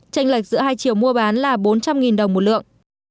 tranh lệch giữa hai triệu mua bán là bốn trăm linh đồng một lượng